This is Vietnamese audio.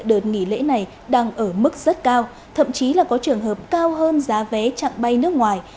đợt nghỉ lễ này đang ở mức rất cao thậm chí là có trường hợp cao hơn giá vé chặng bay nước ngoài